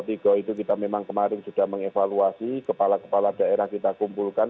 kalau jogo tonggo itu kita memang kemarin sudah mengevaluasi kepala kepala daerah kita kumpulkan